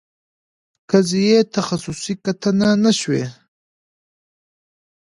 قضیې تخصصي کتنه نه شوې.